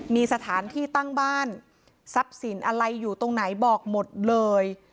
มีสถานที่ตั้งบ้านทรัพย์สินอะไรอยู่ตรงไหนบอกหมดเลย